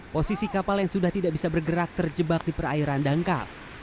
posisi kapal yang sudah tidak bisa bergerak terjebak di perairan dangkal